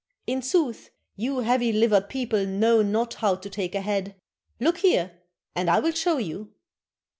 In sooth, you heavy livered people know not how to take a head. Look here, and I'll show you.'